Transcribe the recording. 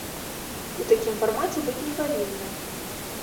У такім фармаце быць не павінна.